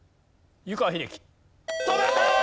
止めた！